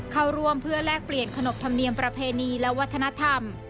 เข้าร่วมเพื่อแลกเปลี่ยนขนบธรรมเนียมประเพณีและวัฒนธรรม